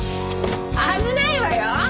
危ないわよ！